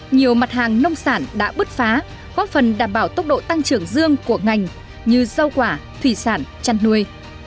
nhiều mặt hàng nông sản đã bứt phá góp phần đảm bảo tốc độ tăng trưởng dương của ngành như rau quả thủy sản chăn nuôi